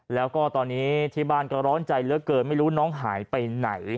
แล้วก็ตอนนี้ที่บ้านก็ร้อนใจเหลือเกินไม่รู้น้องหายไปไหน